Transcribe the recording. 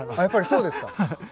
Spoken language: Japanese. やっぱりそうですか？